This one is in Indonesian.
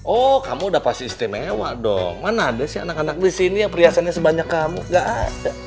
oh kamu udah pasti istimewa dong mana ada sih anak anak di sini yang perhiasannya sebanyak kamu gak ada